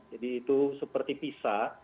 jadi itu seperti pisa